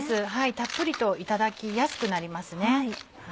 たっぷりといただきやすくなりますね。